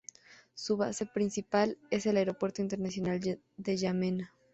Su base principal es el Aeropuerto Internacional de Yamena.